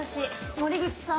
森口さん。